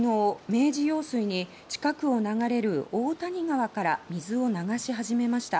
矢作川に近くを流れる大谷川から水を流し始めました。